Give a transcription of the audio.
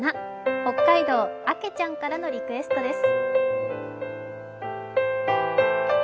北海道、あけちゃんからのリクエストです。